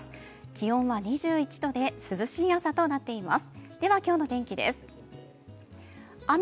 気温は２１度で涼しい朝となっています。